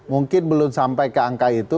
mungkin belum sampai ke angka itu